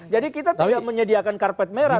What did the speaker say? jadi kita tidak menyediakan karpet merah